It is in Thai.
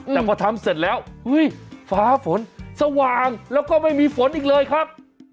แต่พอทำเสร็จแล้วเฮ้ยฟ้าฝนสว่างแล้วก็ไม่มีฝนอีกเลยครับ